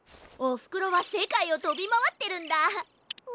おふくろはせかいをとびまわってるんだ。